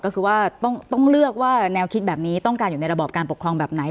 ก็คือว่าต้องเลือกว่าแนวคิดแบบนี้ต้องการอยู่ในระบอบการปกครองแบบไหน